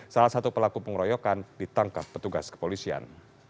salah satu pelaku pengeroyokan ditangkap petugas kepolisian